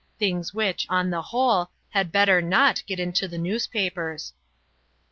Things which, on the whole, had better not get into the newspapers."